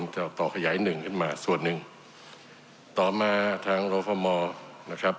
จะต่อขยายหนึ่งขึ้นมาส่วนหนึ่งต่อมาทางรฟมนะครับ